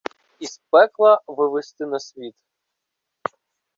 Із пекла вивести на світ.